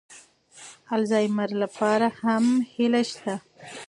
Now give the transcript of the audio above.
الزایمر لپاره هم هیله شته.